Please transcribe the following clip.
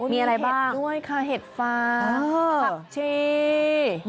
มีอะไรบ้างโอ้โหมีเห็ดด้วยค่ะเห็ดฟ้าคับเชีย์